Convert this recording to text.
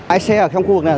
ai xe ở trong khu vực này